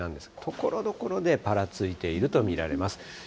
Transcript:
ところどころでぱらついていると見られます。